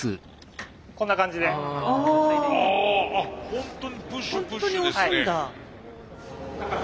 ホントにプッシュプッシュですね。